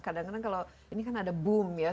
kadang kadang kalau ini kan ada boom ya